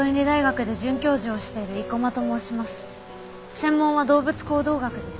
専門は動物行動学です。